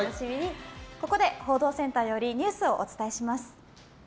ここで、報道センターよりニュースをお伝えします。